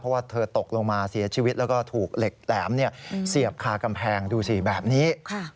เพราะว่าเธอตกลงมาเสียชีวิตแล้วก็ถูกเหล็กแหลมเสียบคากำแพงดูสิแบบนี้